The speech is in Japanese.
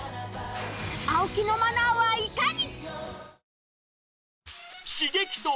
青木のマナーはいかに！？